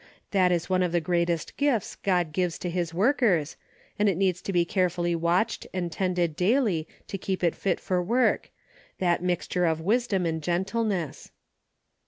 That is one of the greatest gifts God gives to his workers, and it needs to be carefully watched and tended daily to keep it fit for work, — that mixture of wisdom and gentleness."